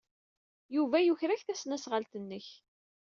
Yuba yuker-ak tasnasɣalt-nnek.